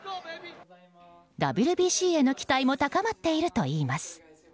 ＷＢＣへの期待も高まっているといいます。